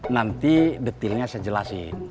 nanti detailnya saya jelasin